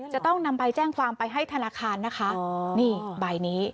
จะต้องนำใบแจ้งความไปให้ธนาคารนะคะอ๋อนี่ใบนี้